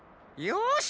よし！